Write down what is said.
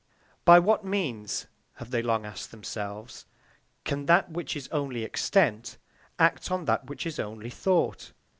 By what means, have they long asked themselves, can that which is only extent act on that which is only thought?